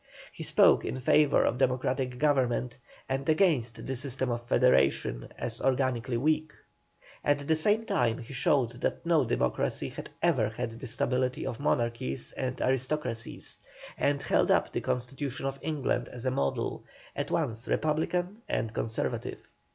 He spoke in favour of democratic government, and against the system of federation, as organically weak. At the same time he showed that no Democracy had ever had the stability of Monarchies and Aristocracies, and held up the constitution of England as a model, at once Republican and Conservative.